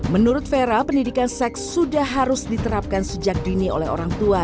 menurut vera pendidikan seks sudah harus diterapkan sejak dini oleh orang tua